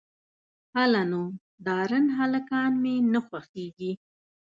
_هله نو، ډارن هلکان مې نه خوښېږي.